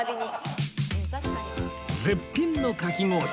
絶品のかき氷